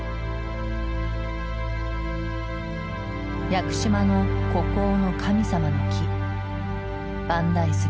屋久島の孤高の神様の木万代杉。